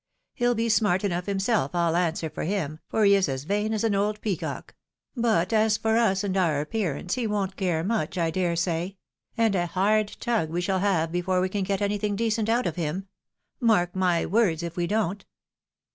He'll be smart enough himself, I'll answer for him, for he is as vain as an old peacock ; but as for us, and our appearance, he won't care much, I dare say ; and a hard tug we shall have, before we get anything decent out of him. Mark my words, if we don't."